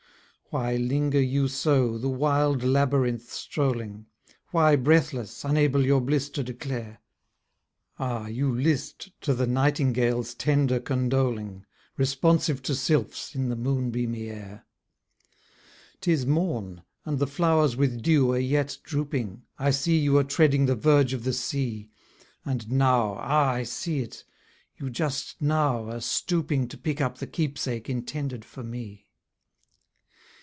Why linger you so, the wild labyrinth strolling? Why breathless, unable your bliss to declare? Ah! you list to the nightingale's tender condoling, Responsive to sylphs, in the moon beamy air. 'Tis morn, and the flowers with dew are yet drooping, I see you are treading the verge of the sea: And now! ah, I see it you just now are stooping To pick up the keep sake intended for me.